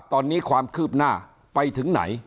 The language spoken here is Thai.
ตอนนี้ความคืบหน้าไปถึงไหน